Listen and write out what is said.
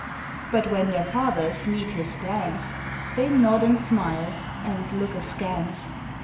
But when their fathers meet his glance, They nod and smile and look askance.